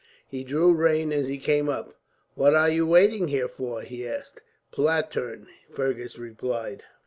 He drew rein as he came up. "What are you waiting here for?" he asked. "Platurn," Fergus replied.